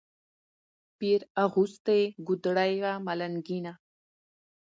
پیر اغوستې ګودړۍ وه ملنګینه